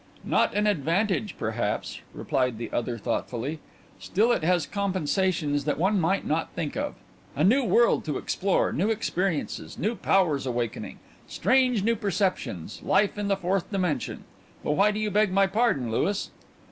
"Not an advantage perhaps," replied the other thoughtfully. "Still it has compensations that one might not think of. A new world to explore, new experiences, new powers awakening; strange new perceptions; life in the fourth dimension. But why do you beg my pardon, Louis?"